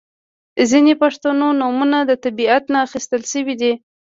• ځینې پښتو نومونه د طبیعت نه اخستل شوي دي.